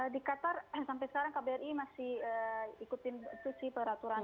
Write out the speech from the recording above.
di qatar sampai sekarang kbri masih ikutin itu sih peraturan